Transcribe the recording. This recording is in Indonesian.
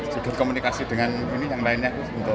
juga komunikasi dengan yang lainnya